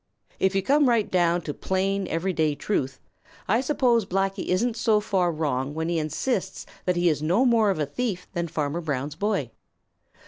If you come right down to plain, everyday truth, I suppose Blacky isn't so far wrong when he insists that he is no more of a thief than Farmer Brown's boy.